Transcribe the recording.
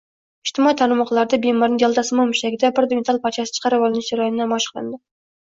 Ijtimoiy tarmoqlarda bemorning deltasimon mushagidan bir metall parchasi chiqarib olinish jarayoni namoyish qilindi